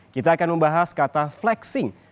kita akan membahas kata flexing